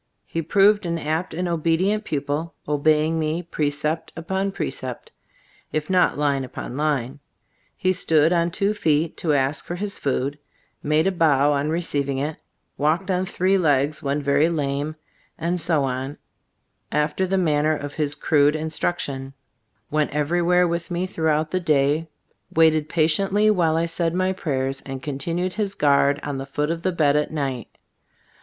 He proved an apt and obedient pupil, obeying me precept upon precept, if not line upon line. He stood on two feet to ask for his food, and made a bow on receiving it, walked on three legs when very lame, and so on, after the manner of his crude instruction; went everywhere with me through the day, waited patiently while I said my prayers and continued his guard on the foot of the bed at night.